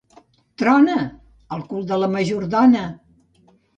Trona! —Al cul de la majordona!